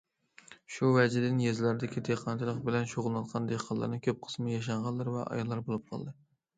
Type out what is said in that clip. شۇ ۋەجىدىن، يېزىلاردىكى دېھقانچىلىق بىلەن شۇغۇللىنىۋاتقان دېھقانلارنىڭ كۆپ قىسمى ياشانغانلار ۋە ئاياللار بولۇپ قالدى.